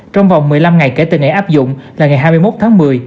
trong vòng một mươi năm ngày kể từ ngày áp dụng là ngày hai mươi một tháng một mươi